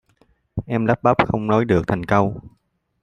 em lắp bắp không nói được thành câu